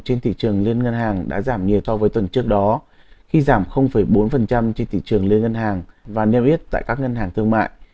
trên thị trường liên ngân hàng đã giảm nhiều so với tuần trước đó khi giảm bốn trên thị trường liên ngân hàng và niêm yết tại các ngân hàng thương mại